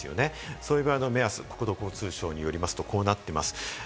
そのときの目安、国土交通省によりますと、こうなっています。